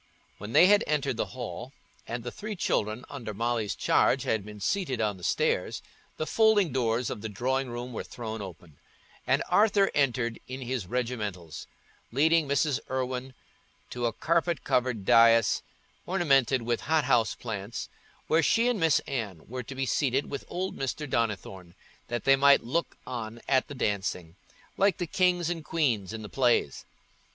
When they had entered the hall, and the three children under Molly's charge had been seated on the stairs, the folding doors of the drawing room were thrown open, and Arthur entered in his regimentals, leading Mrs. Irwine to a carpet covered dais ornamented with hot house plants, where she and Miss Anne were to be seated with old Mr. Donnithorne, that they might look on at the dancing, like the kings and queens in the plays.